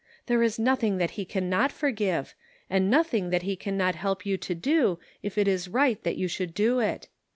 There is nothing that he can not forgive, and nothing that he can not help you to do if it is right that you should do it.